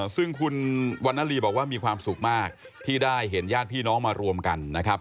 ซึ่งคุณวันนาลีบอกว่ามีความสุขมากที่ได้เห็นญาติพี่น้องมารวมกันนะครับ